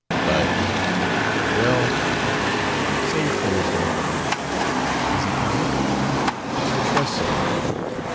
"Fudge! Well, save Thursday." "Is he coming?" "I trust so."